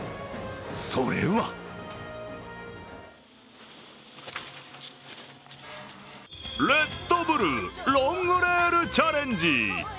それはレッドブル・ロング・レール・チャレンジ。